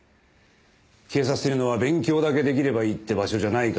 警察というのは勉強だけ出来ればいいって場所じゃないからね。